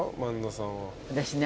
私ね。